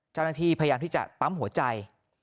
เจ้าหน้าที่พยายามที่จะปั๊มหัวใจ